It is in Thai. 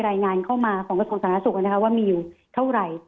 รายงานเข้ามาของกษัตริย์ศาสตร์นักศึกษ์อ่ะนะคะว่ามีอยู่เท่าไหร่